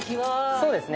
そうですね。